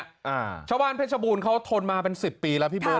อ่าชาวบ้านเพชรบูรณเขาทนมาเป็นสิบปีแล้วพี่เบิร์